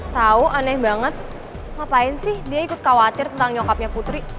tahu aneh banget ngapain sih dia ikut khawatir tentang nyokapnya putri